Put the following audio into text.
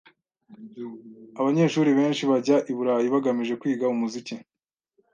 Abanyeshuri benshi bajya i Burayi bagamije kwiga umuziki.